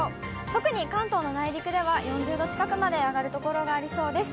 特に関東の内陸では、４０度近くまで上がる所がありそうです。